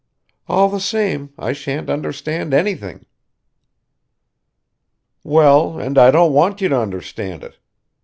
"All the same I shan't understand anything." "Well and I don't want you to understand it.